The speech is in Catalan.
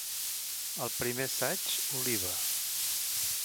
Al primer assaig, oliva!